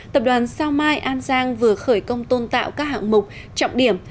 tập đoàn sao mai an giang vừa khởi công tôn tạo các hạng mục trọng điểm